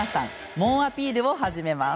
猛アピールを始めます。